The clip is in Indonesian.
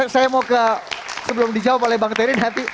saya mau ke sebelum dijawab oleh bang terry nanti